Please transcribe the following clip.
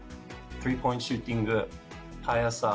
スリーポイントシューティング、速さ。